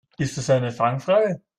Ist das eine Fangfrage?